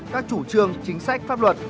các chủ trương chính sách pháp luật